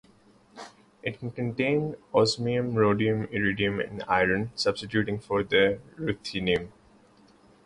It can contain osmium, rhodium, iridium, and iron substituting for the ruthenium.